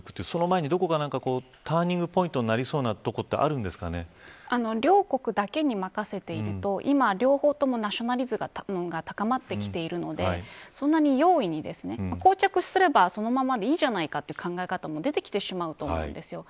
その前に、どこかターニングポイントになりそうな両国だけに任せていると今、両方ともナショナリズムが高まってきているのでそんなに容易に膠着すればそのままでいいという考え方もできてしまうと思うんです。